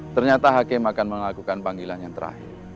ternyata hakim akan melakukan panggilan yang terakhir